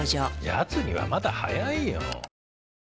やつにはまだ早いよ。